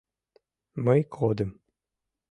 Мый кодым.